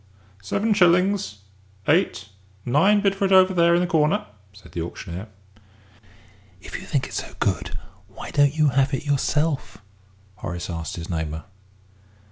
"Seven shillings eight nine bid for it over there in the corner," said the auctioneer. "If you think it's so good, why don't you have it yourself?" Horace asked his neighbour.